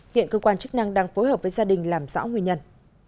hiện cơ quan chức năng đang phối hợp với gia đình làm rõ nguyên nhân